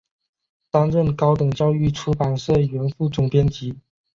担任高等教育出版社原副总编辑。